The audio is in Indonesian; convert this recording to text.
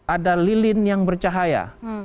ada lilin yang bercahaya